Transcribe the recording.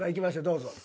どうぞ。